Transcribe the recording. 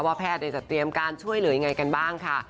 แพทย์จะเตรียมการช่วยเหลือยังไงกันบ้างค่ะ